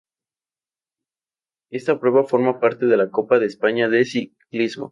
Esta prueba forma parte de la Copa de España de Ciclismo.